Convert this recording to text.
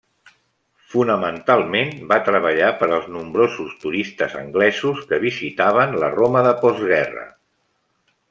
Fonamentalment va treballar per als nombrosos turistes anglesos que visitaven la Roma de postguerra.